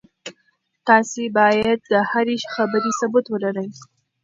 تاسي باید د هرې خبرې ثبوت ولرئ.